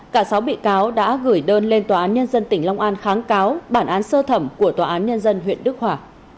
cả sáu bị cáo đã gửi đơn lên tòa án nhân dân tỉnh long an kháng cáo bản án sơ thẩm của tòa án nhân dân huyện đức hòa